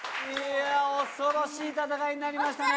恐ろしい戦いになりましたね！